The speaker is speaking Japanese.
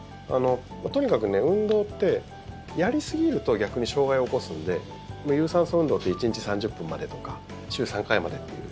とにかく、運動ってやりすぎると逆に障害を起こすので有酸素運動って１日３０分までとか週３回までとかっていう。